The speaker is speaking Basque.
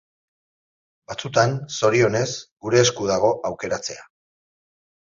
Batzutan, zorionez, gure esku dago aukeratzea.